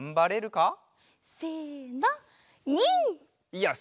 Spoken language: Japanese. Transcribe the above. よし！